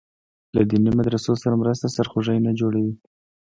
له دیني مدرسو سره مرسته سرخوږی نه جوړوي.